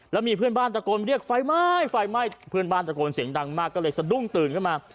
แล้วมีเพื่อนบ้านตะโกนเรียกไฟไหม้ไฟไหม้เพื่อนบ้านตะโกนเสียงดังมากก็เลยสะดุ้งตื่นขึ้นมา